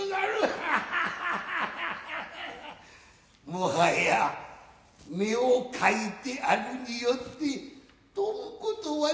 もはや目をかいてあるによって飛ぶことはなるまいぞ。